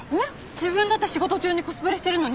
自分だって仕事中にコスプレしてるのに？